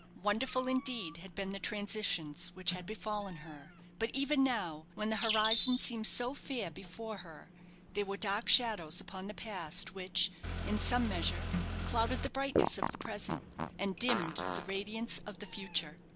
Wonderful indeed had been the transitions which had befallen her; but even now, when the horizon seemed so fair before her, there were dark shadows upon the past which, in some measure, clouded the brightness of the present, and dimmed the radiance of the future.